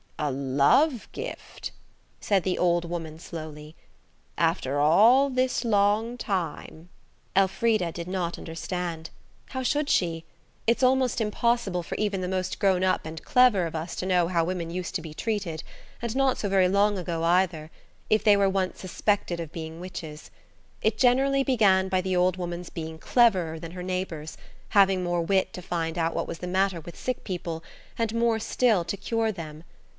"A love gift?" said the old woman slowly. "After all this long time?" Elfrida did not understand. How should she? It's almost impossible for even the most grown up and clever of us to know how women used to be treated–and not so very long ago either–if they were once suspected of being witches. It generally began by the old woman's being cleverer than her neighbours, having more wit to find out what was the matter with sick people, and more still to cure them.